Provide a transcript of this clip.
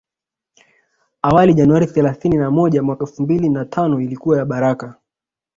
Awali Januari thelasini na moja mwaka elfu mbili na tano ilikuwa ya baraka